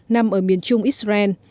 nằm ở miền trung israel